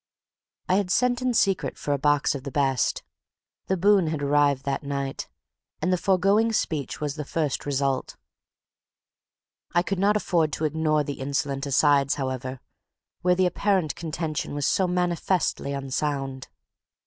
I had sent in secret for a box of the best; the boon had arrived that night; and the foregoing speech was the first result. I could afford to ignore the insolent asides, however, where the apparent contention was so manifestly unsound.